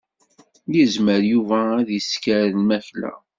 Yezmer Yuba ad isker lmakla.